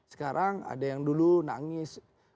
sekarang ada yang dulu nangis